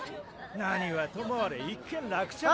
何はともあれ一件落着だな。